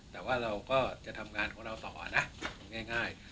แต่ว่าเราก็จะทำงานของเราต่อนะง่าย